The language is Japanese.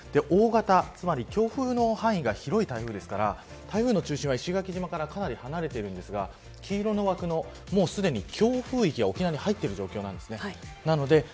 大型、つまり強風の範囲が広い台風ですから台風の中心は石垣島からかなり離れているんですが黄色の枠のすでに強風域が沖縄に入っている状況なんですね。